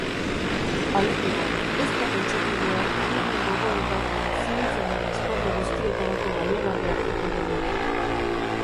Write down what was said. Alegia, ez da pentsatu behar Kuhnen gogoetak zientziaren esparru guztietarako baliagarriak direnik.